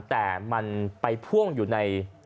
แต่มันไปพ่วงอยู่ใน